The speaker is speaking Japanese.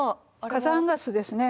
火山ガスですね。